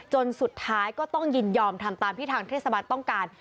สุดท้ายก็ต้องยินยอมทำตามที่ทางเทศบาลต้องการ